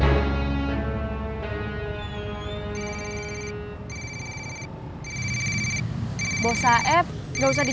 kepok t hacia lain